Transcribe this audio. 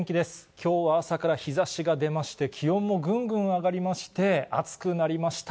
きょうは朝から日ざしが出まして、気温もぐんぐん上がりまして、暑くなりました。